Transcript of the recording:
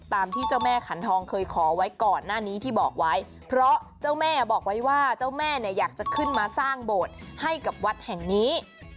ตามที่เจ้าแม่ขันทองเคยขอไว้ก่อนหน้านี้ที่บอกไว้เพราะเจ้าแม่บอกไว้ว่าเจ้าแม่เนี่ยอยากจะขึ้นมาสร้างโบสถ์ให้กับวัดแห่งนี้